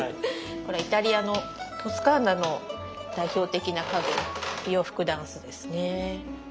これイタリアのトスカーナの代表的な家具洋服ダンスですね。